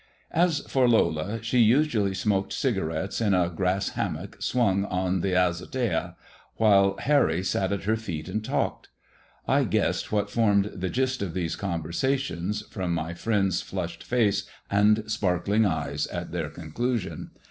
As for Lola, she usually smoked cigarettes in a grass hammock swung on the azotea, while Harry sat at her feet and talked. I guessed what formed the gist of these conversations, from my friend's flushed face and sparkling eyes at their conclusion.